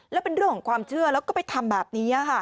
แล้วเป็นเรื่องของความเชื่อแล้วก็ไปทำแบบนี้ค่ะ